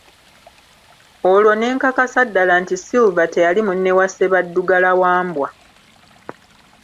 Oolwo ne nkakasiza ddala nti Silver teyali munne wa Ssebaddugala-Wambwa.